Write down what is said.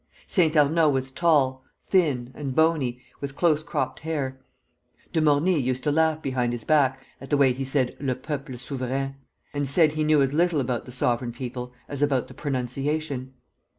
Saint Arnaud was tall, thin, and bony, with close cropped hair. De Morny used to laugh behind his back at the way he said le peuple souvérain, and said he knew as little about the sovereign people as about the pronunciation.